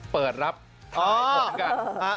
เปิดรับไทยของกัน